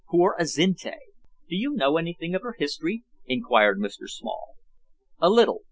Poor Azinte!" "Do you know anything of her history?" inquired Mr Small. "A little.